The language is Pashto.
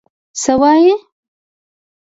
څه وايې؟